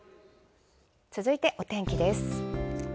続いてお天気です。